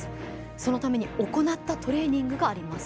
そのために行ったトレーニングがあります。